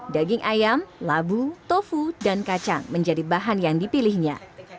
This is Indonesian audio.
daging ayam labu tofu dan kacang menjadi bahan yang dipilihnya